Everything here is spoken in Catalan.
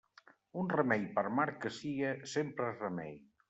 Un remei per amarg que sia, sempre és remei.